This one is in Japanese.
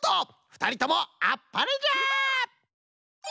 ふたりともあっぱれじゃ！